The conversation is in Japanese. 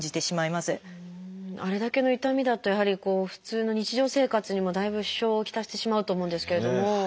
あれだけの痛みだとやはり普通の日常生活にもだいぶ支障を来してしまうと思うんですけれども。